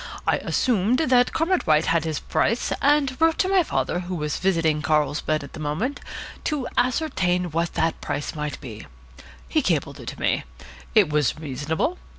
I assumed that Comrade White had his price, and wrote to my father, who was visiting Carlsbad at the moment, to ascertain what that price might be. He cabled it to me. It was reasonable.